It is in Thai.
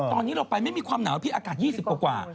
ทำไมพวกคุณนี่อะบายมุกทั้งนั้น